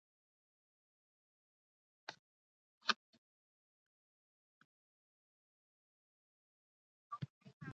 ماشومانو به په خټو کې لوبې کولې.